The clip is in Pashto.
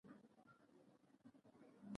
ایا زما پښتورګي به ښه شي؟